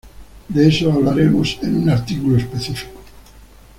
de eso hablaremos en un artículo específico